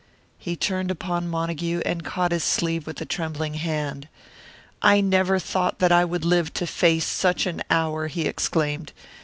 He turned upon Montague, and caught his sleeve with a trembling hand. "I never thought that I would live to face such an hour," he exclaimed.